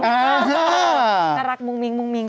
น่ารักมุ่งมิ้งกันไหม